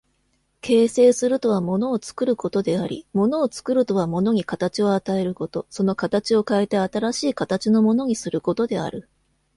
形成するとは物を作ることであり、物を作るとは物に形を与えること、その形を変えて新しい形のものにすることである。